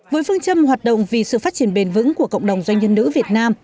với phương châm hoạt động vì sự phát triển bền vững của cộng đồng doanh nhân nữ việt nam